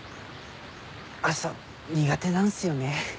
朝苦手なんすよね。